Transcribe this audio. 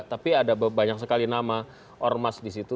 tapi ada banyak sekali nama ormas disitu